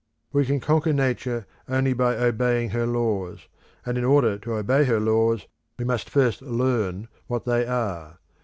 We can conquer Nature only by obeying her laws, and in order to obey her laws we must first learn what they are.